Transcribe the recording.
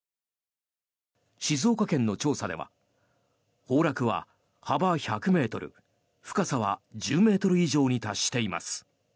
静岡県の調査では崩落は幅１００ｍ深さは１０ｍ以上に達しています。